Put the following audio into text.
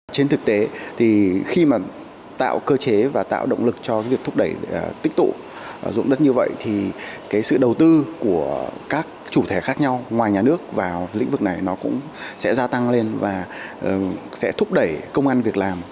trên thực tế thì khi mà tạo cơ chế và tạo động lực cho việc thúc đẩy tích tụ dụng đất như vậy thì cái sự đầu tư của các chủ thể khác nhau ngoài nhà nước vào lĩnh vực này nó cũng sẽ gia tăng lên và sẽ thúc đẩy công an việc làm